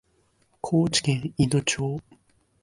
高知県いの町